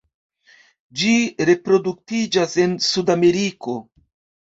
Ĝi reproduktiĝas en Sudameriko.